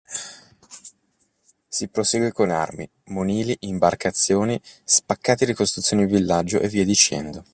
Si prosegue con armi, monili, imbarcazioni, spaccati e ricostruzioni di villaggi e via dicendo.